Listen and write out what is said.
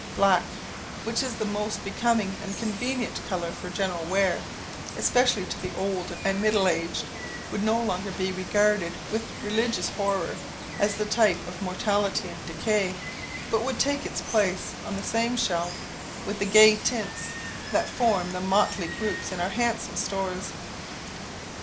Black, which is the most becoming and convenient colour for general wear, especially to the old and middle aged; would no longer be regarded with religious horror as the type of mortality and decay, but would take its place on the same shelf with the gay tints that form the motley groups in our handsome stores.